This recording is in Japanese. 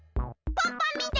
パパみて！